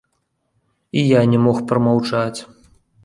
І я не мог прамаўчаць.